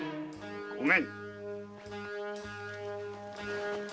御免。